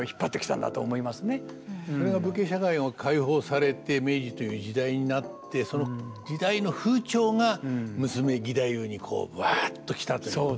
それが武家社会が解放されて明治という時代になってその時代の風潮が娘義太夫にぶわっと来たということなのかもしれませんね。